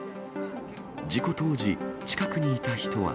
事故当時、近くにいた人は。